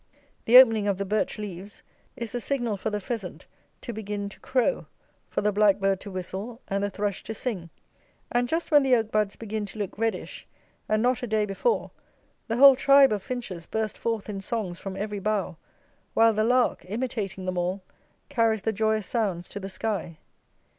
The opening of the birch leaves is the signal for the pheasant to begin to crow, for the blackbird to whistle, and the thrush to sing; and, just when the oak buds begin to look reddish, and not a day before, the whole tribe of finches burst forth in songs from every bough, while the lark, imitating them all, carries the joyous sounds to the sky.